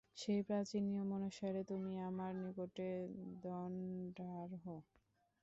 সেই প্রাচীন নিয়ম অনুসারে তুমি আমার নিকটে দণ্ডার্হ।